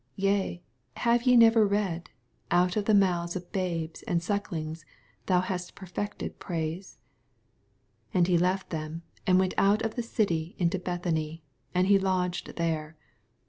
Yea ; have ye never read, Out of the mouths of babes and sucklings thou hast perfected pruse ff 17 And he left them, and went out of the city into Bethany; and he lodged there.